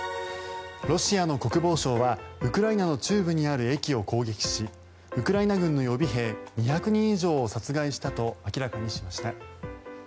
ロシアの国防省はウクライナの中部にある駅を攻撃しウクライナ軍の予備兵２００人以上を殺害したと明らかにしました。